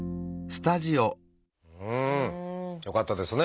うんよかったですね。